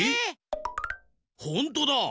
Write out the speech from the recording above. ほんとだ。